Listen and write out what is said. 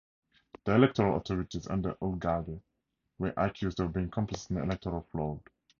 The electoral authorities under Ugalde were accused of being complicit in electoral fraud.